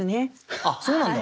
あっそうなんだ。